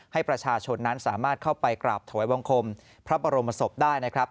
ให้ประชาชนนั้นสามารถเข้าไปกราบถวายบังคมพระบรมศพได้นะครับ